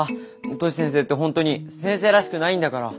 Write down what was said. トシ先生って本当に先生らしくないんだから。